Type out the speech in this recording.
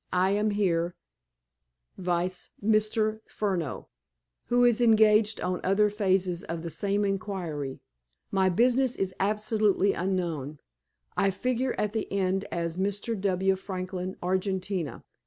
I am here_ vice _Mr. Furneaux, who is engaged on other phases of the same inquiry. My business is absolutely unknown. I figure at the inn as "Mr. W. Franklin, Argentina."